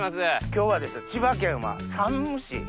今日はですね千葉県は山武市。